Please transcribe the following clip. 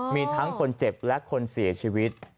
มีทั้งคนเจ็บและคนเสียชีวิต